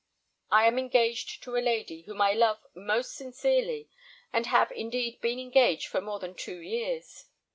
I am engaged to a lady, whom I love most sincerely, and have, indeed, been engaged for more than two years.